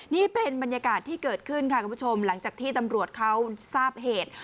นี่เป็นบรรยากาศที่เกิดขึ้นค่ะคุณผู้ชมหลังจากที่ตำรวจเขาทราบเหตุ